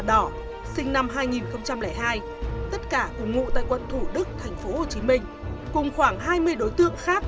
đỏ sinh năm hai nghìn hai tất cả cùng ngụ tại quận thủ đức thành phố hồ chí minh cùng khoảng hai mươi đối tượng